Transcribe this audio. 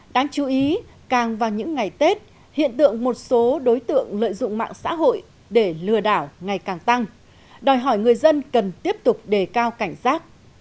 đáng chú ý càng vào những ngày tết hiện tượng một số đối tượng lợi dụng mạng xã hội để lừa đảo ngày càng tăng đòi hỏi người dân cần tiếp tục đề cao cảnh giác